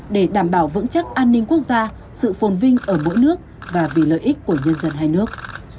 để đảm bảo vững chắc an ninh quốc gia sự phồn vinh ở mỗi nước và vì lợi ích của nhân dân hai nước